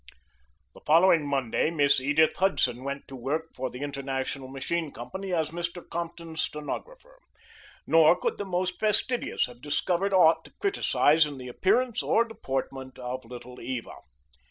The following Monday Miss Edith Hudson went to work for the International Machine Company as Mr. Compton's stenographer. Nor could the most fastidious have discovered aught to criticize in the appearance or deportment of Little Eva.